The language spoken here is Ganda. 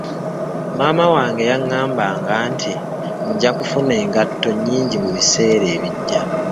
Maama wange yangambanga nti nja kufuna engatto nyingi mu biseera ebijja.